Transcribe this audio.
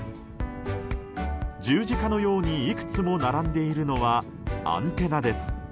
十字架のようにいくつも並んでいるのはアンテナです。